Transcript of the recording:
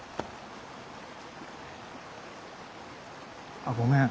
あごめん。